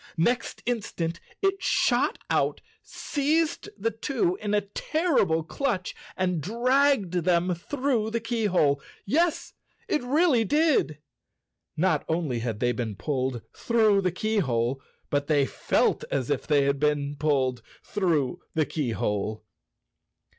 Next instant it shot out, seized the two in a terrible clutch, and dragged them through the keyhole. Yes, it really did! Not only had they been pulled through the keyhole, but they felt as if they had been pulled through the key¬ hole.